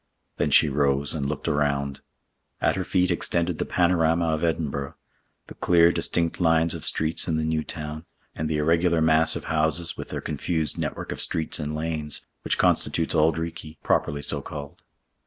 Then she rose and looked around. At her feet extended the panorama of Edinburgh—the clear, distinct lines of streets in the New Town, and the irregular mass of houses, with their confused network of streets and lanes, which constitutes Auld Reekie, properly so called.